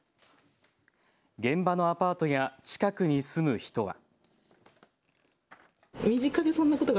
現場のアパートや近くに住む人は。